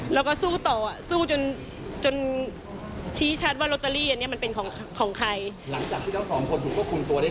แล้วก็สู้ต่อสู้จนชี้ชัดว่าลอตเตอรี่อันนี้มันเป็นของใคร